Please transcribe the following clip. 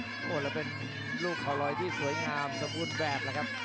จบแล้วเป็นรูปเขาลอยที่สวยงามสมุดแบบเลยครับ